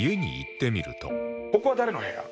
ここは誰の部屋？